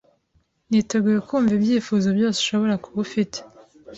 Niteguye kumva ibyifuzo byose ushobora kuba ufite